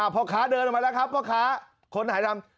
พ่อค้าเดินออกมาแล้วครับพ่อค้าคนหายดำ